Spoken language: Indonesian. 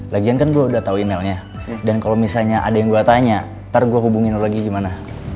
lagian kan gue udah tau emailnya dan kalau misalnya ada yang gue tanya ntar gue hubungin lo lagi gimana